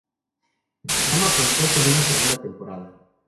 El programa contó con una segunda temporada.